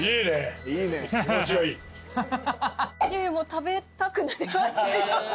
食べたくなりましたよね